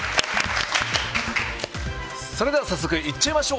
それでは早速、いっちゃいましょう。